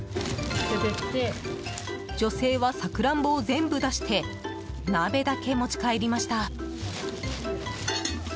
女性はサクランボを全部出して鍋だけ持ち帰りました。